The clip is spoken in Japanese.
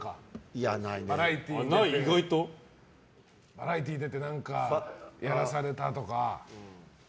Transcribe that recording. バラエティーに出て何かやらされたとか。